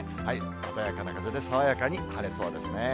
穏やかな風で、爽やかに晴れそうですね。